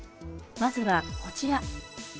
まずはこちら。